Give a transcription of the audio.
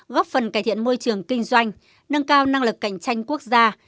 góp phần cải thiện môi trường kinh doanh nâng cao năng lực cạnh tranh quốc gia